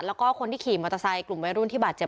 แล้วก็คนที่ขี่มอเตอร์ไซค์กลุ่มวัยรุ่นที่บาดเจ็บ